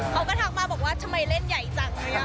เขาก็ทักมาบอกว่าทำไมเล่นใหญ่จัง